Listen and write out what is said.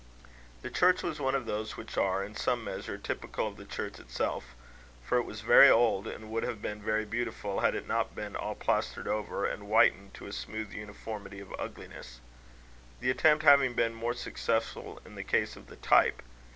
The church was one of those which are, in some measure, typical of the Church itself; for it was very old, and would have been very beautiful, had it not been all plastered over, and whitened to a smooth uniformity of ugliness the attempt having been more successful in the case of the type.